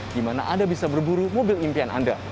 di mana anda bisa berburu mobil impian anda